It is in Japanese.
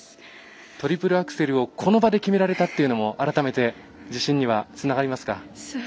トリプルアクセルをこの場で決められたというのも改めて自信にはつながりますか？